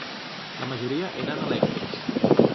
La majoria eren elèctrics.